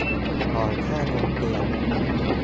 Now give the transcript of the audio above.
หมอนข้างบนเตียง